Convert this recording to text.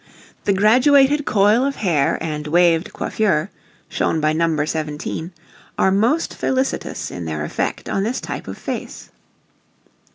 The graduated coil of hair and waved coiffure, shown by No. 17, are most felicitous in their effect on this type of face.